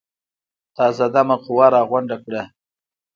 تازه دمه قوه راغونډه کړه.